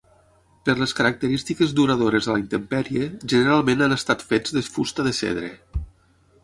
Per les característiques duradores a la intempèrie, generalment han estat fets de fusta de cedre.